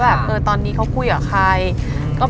ตอนนี้เขาคุยกับใคร